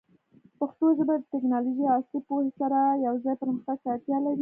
پښتو ژبه د ټیکنالوژۍ او عصري پوهې سره یوځای پرمختګ ته اړتیا لري.